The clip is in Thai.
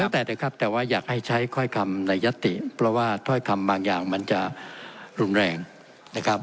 แล้วแต่เถอะครับแต่ว่าอยากให้ใช้ถ้อยคำในยัตติเพราะว่าถ้อยคำบางอย่างมันจะรุนแรงนะครับ